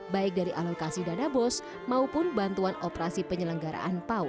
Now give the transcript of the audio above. baik dari alokasi dana bos maupun bantuan operasi penyelenggaraan pau